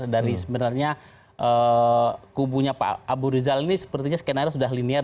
dari sebenarnya kubunya pak abu rizal ini sepertinya skenario sudah linier